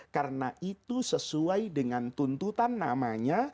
karena itu sesuai dengan tuntutan namanya